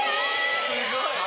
すごい。